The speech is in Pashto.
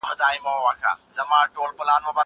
زه پرون د تکړښت لپاره ولاړم!؟